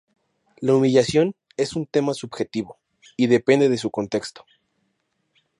La humillación es un tema subjetivo, y depende de su contexto.